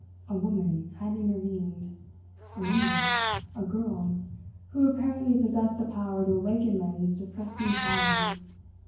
A woman had intervened! A woman, a girl, who apparently possessed the power to awaken men's disgusting folly.